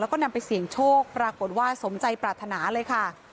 แล้วก็นำไปเสี่ยงโชคปรากฏว่าสมใจปรารถนาเลยค่ะ